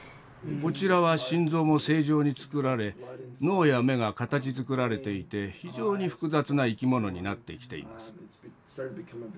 こちらは心臓も正常につくられ脳や目が形づくられていて非常に複雑な生き物になってきています。